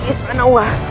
sampai jumpa langsung